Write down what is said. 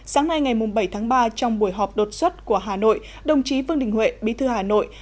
sáng nay ngày bảy tháng ba trong buổi họp đột xuất của hà nội đồng chí vương đình huệ bí thư hà nội